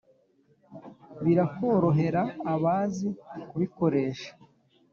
birakorohera abazi ku bikoresha